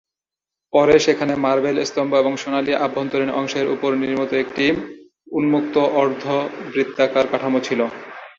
পরে সেখানে মার্বেল স্তম্ভ এবং সোনালী আভ্যন্তরীন অংশের উপর নির্মিত একটি উন্মুক্ত অর্ধবৃত্তাকার কাঠামো ছিল।